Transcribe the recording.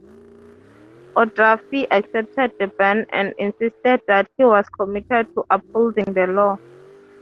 O'Duffy accepted the ban and insisted that he was committed to upholding the law.